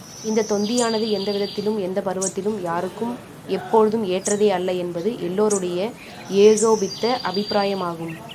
இந்தத் தொந்தியானது எந்த விதத்திலும், எந்தப் பருவத்திலும் யாருக்கும் எப்பொழுதும் ஏற்றதே அல்ல என்பது, எல்லோருடைய ஏகோபித்த அபிப்ராயமாகும்.